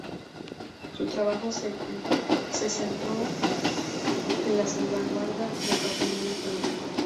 Su trabajo se centró en la salvaguarda del patrimonio arqueológico.